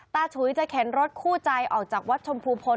ฉุยจะเข็นรถคู่ใจออกจากวัดชมพูพล